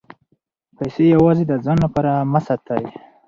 پیسې یوازې د ځان لپاره مه ساتئ.